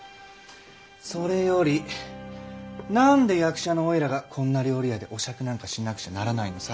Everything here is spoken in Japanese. それより何で役者のおいらがこんな料理屋でお酌なんかしなくちゃならないのさ。